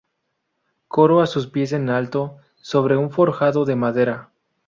Coro a sus pies en alto, sobre un forjado de madera.